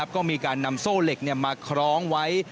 ก็มีการนำโซ่เหล็กมาคล้องไว้